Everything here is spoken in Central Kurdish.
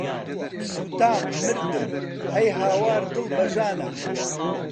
سوتام، مردم، ئەی هاوار، دڵ بە ژانە